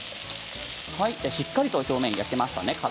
しっかりと表面、焼けましたね。